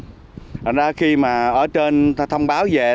thành ra khi mà ở trên thông báo về